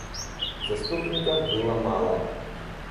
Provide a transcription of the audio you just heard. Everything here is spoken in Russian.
Заступников было мало.